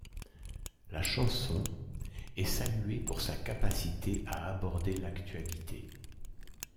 La chanson est saluée pour sa capacité à aborder l'actualité.